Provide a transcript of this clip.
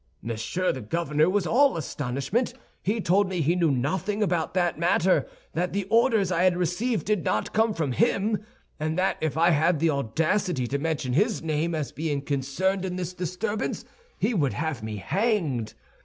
Monsieur the Governor was all astonishment. He told me he knew nothing about the matter, that the orders I had received did not come from him, and that if I had the audacity to mention his name as being concerned in this disturbance he would have me hanged.